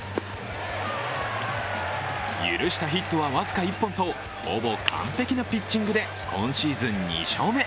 許したヒットは僅か１本とほぼ完璧なピッチングで今シーズン２勝目。